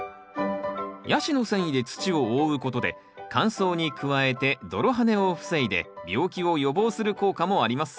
ヤシの繊維で土を覆うことで乾燥に加えて泥はねを防いで病気を予防する効果もあります。